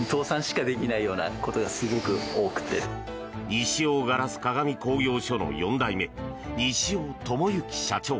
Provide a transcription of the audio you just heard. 西尾硝子鏡工業所の４代目西尾智之社長。